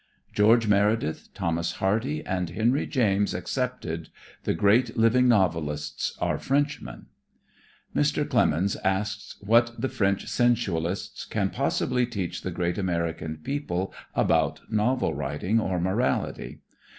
George Meredith, Thomas Hardy and Henry James excepted, the great living novelists are Frenchmen. Mr. Clemens asks what the French sensualists can possibly teach the great American people about novel writing or morality?